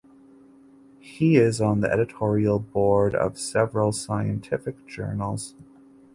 He is on the editorial board of several scientific journals.